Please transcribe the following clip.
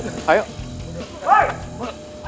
terima kasih mbak